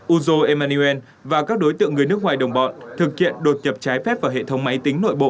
uzo emmanuel và các đối tượng người nước ngoài đồng bọn thực hiện đột nhập trái phép vào hệ thống máy tính nội bộ